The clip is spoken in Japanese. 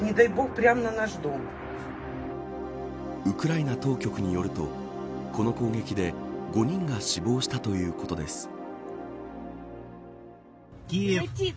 ウクライナ当局によるとこの攻撃で５人が死亡したということです。